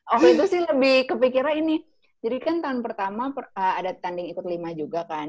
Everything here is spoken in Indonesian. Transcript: oh itu sih lebih kepikiran ini jadi kan tahun pertama ada tanding ikut lima juga kan